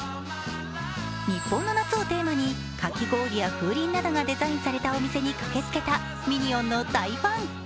日本の夏をテーマにかき氷や風鈴などがデザインされたお店に駆けつけたミニオンの大ファン。